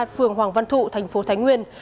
phường hoàng văn thụ thành phố thái nguyên